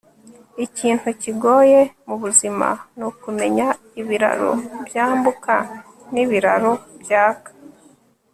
Ikintu kigoye mubuzima nukumenya ibiraro byambuka nibiraro byaka